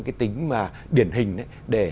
cái tính mà điển hình đấy